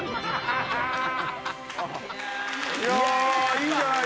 いいんじゃない？